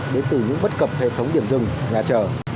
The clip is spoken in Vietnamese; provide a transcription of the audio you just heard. đến từ những bất cập hệ thống điểm dừng nhà chở